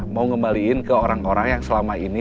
mau ngembaliin ke orang orang yang selama ini